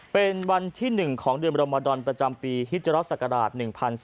เป็นวันที่๑ของเดือนบรมดอนประจำปีฮิจรศักราช๑๔